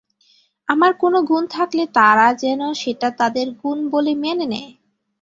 আমার কোনো গুণ থাকলে তারা যেন সেটা তাদের গুণ বলে মেনে নেয়।